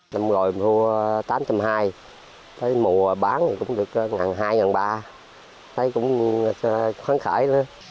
năm ngoái thu tám trăm linh hai mùa bán cũng được một hai trăm linh một ba trăm linh thấy cũng phấn khởi